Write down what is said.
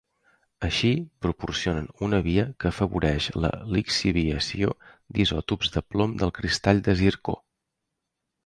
Així, proporcionen una via que afavoreix la lixiviació d'isòtops de plom del cristall de zircó.